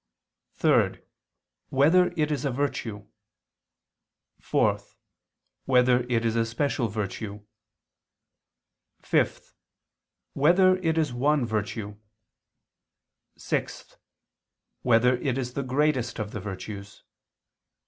(3) Whether it is a virtue? (4) Whether it is a special virtue? (5) Whether it is one virtue? (6) Whether it is the greatest of the virtues?